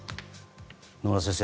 野村先生。